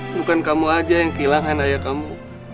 bukan kamu aja yang kehilangan ayah kamu